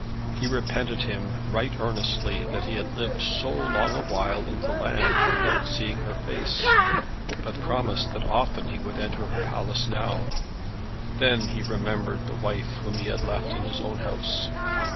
He repented him right earnestly that he had lived so long a while in the land without seeking her face, but promised that often he would enter her palace now. Then he remembered the wife whom he had left in his own house.